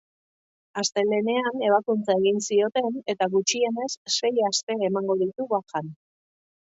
Astelehenean ebakuntza egin zioten eta gutxienez sei aste emango ditu bajan.